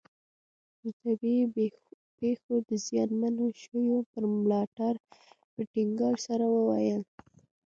د طبیعي پېښو د زیانمنو شویو پر ملاتړ په ټینګار سره وویل.